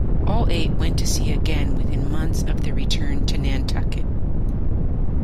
All eight went to sea again within months of their return to Nantucket.